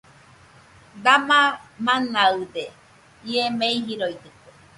!Dama manaɨde¡ ie mei jiroitɨke